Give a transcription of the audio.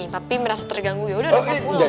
papi merasa terganggu yaudah reva pulang